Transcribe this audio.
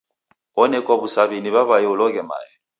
Onekwa w'usaw'i ni w'aw'ae uloghe mae.